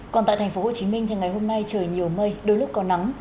còn tại thành phố hồ chí minh thì ngày hôm nay trời nhiều mây đôi lúc có nắng